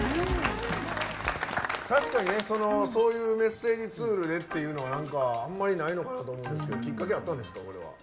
確かに、そういうメッセージツールでっていうのはあんまりないのかなと思うんですけどきっかけあったんですか？